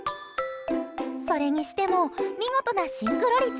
それにしても見事なシンクロ率。